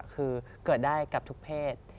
คือเกิดได้กับทุกเพศ